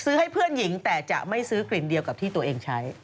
ให้เพื่อนหญิงแต่จะไม่ซื้อกลิ่นเดียวกับที่ตัวเองใช้